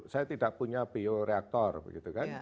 saya tidak punya bioreaktor begitu kan